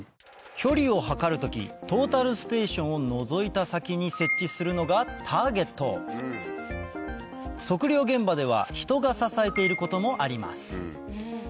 距離を測る時トータルステーションをのぞいた先に設置するのが測量現場では人が支えていることもあります